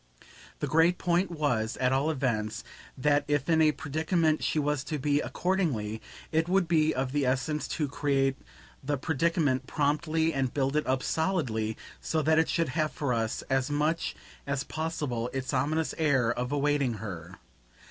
The great point was, at all events, that if in a predicament she was to be, accordingly, it would be of the essence to create the predicament promptly and build it up solidly, so that it should have for us as much as possible its ominous air of awaiting her.